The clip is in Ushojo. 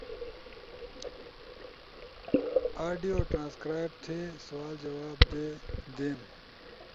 آڈیو ٹرانسکرائب تھے، سوال جواب دے، دیم